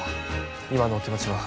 今のお気持ちは？